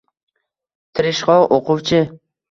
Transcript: Tirishqoq o‘quvchi.